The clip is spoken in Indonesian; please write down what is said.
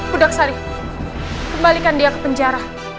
kudak sari kembalikan dia ke penjara